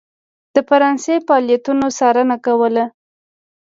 د فرانسې فعالیتونو څارنه کوله.